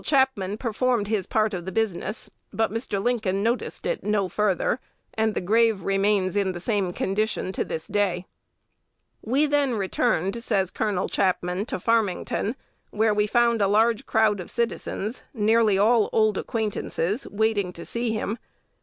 Chapman performed his part of the business, but Mr. Lincoln noticed it no further; and the grave remains in the same condition to this day.) "We then returned," says Col. Chapman, "to Farmington, where we found a large crowd of citizens nearly all old acquaintances waiting to see him.